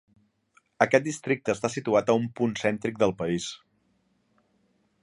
Aquest districte està situat a un punt cèntric del país.